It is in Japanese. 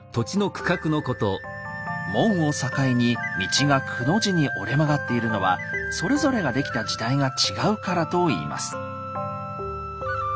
門を境に道がくの字に折れ曲がっているのはそれぞれが出来た時代が違うからといいます。